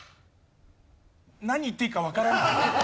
何言っていいかわからない。